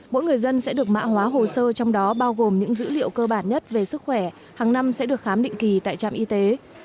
mỗi người dân sẽ được mã hóa hồ sơ trong đó bao gồm những dữ liệu cơ bản nhất về sức khỏe